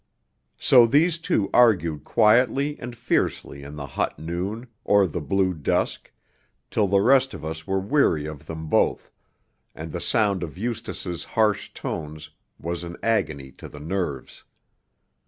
So these two argued quietly and fiercely in the hot noon, or the blue dusk, till the rest of us were weary of them both, and the sound of Eustace's harsh tones was an agony to the nerves.